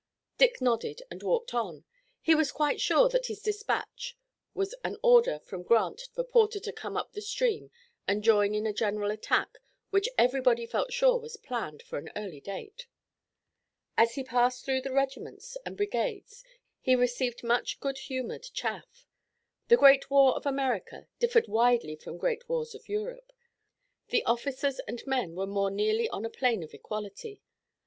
Dick nodded and walked on. He was quite sure that his dispatch was an order from Grant for Porter to come up the stream and join in a general attack which everybody felt sure was planned for an early date. As he passed through the regiments and brigades he received much good humored chaff. The great war of America differed widely from the great wars of Europe. The officers and men were more nearly on a plane of equality.